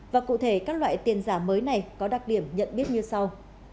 và cụ thể các loại tiền giả mới này có đặc điểm nhận biết như sau